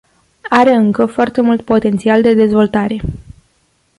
Are încă foarte mult potențial de dezvoltare.